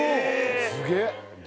すげえ！